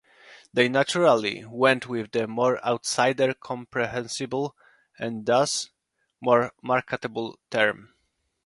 They naturally went with the more outsider-comprehensible, and thus more marketable, term.